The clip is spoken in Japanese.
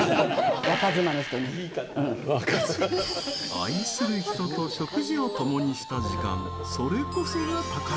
愛する人と食事を共にした時間それこそが宝。